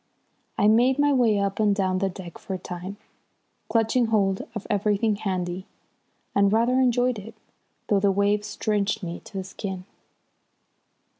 I made my way up and down the deck for a time, clutching hold of everything handy, and rather enjoyed it, though the waves drenched me to the skin.